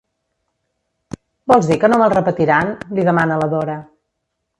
Vols dir que no me'l repetiran? —li demana la Dora.